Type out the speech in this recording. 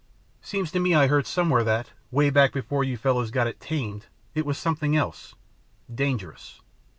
Seems to me I heard somewhere that, way back before you fellows got it 'tamed' it was something else dangerous.